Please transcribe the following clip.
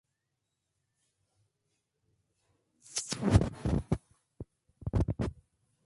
Cuando Oswald perdió popularidad, Lantz decidió que necesitaba un nuevo personaje.